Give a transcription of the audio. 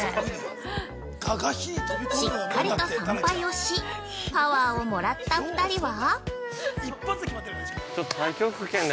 ◆しっかりと参拝をし、パワーをもらった２人は？